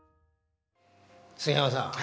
杉山さん